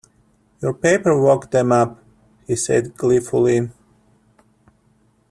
“Your paper woke them up,” he said gleefully.